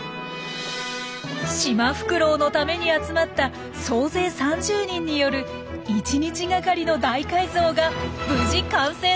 シマフクロウのために集まった総勢３０人による１日がかりの大改造が無事完成です！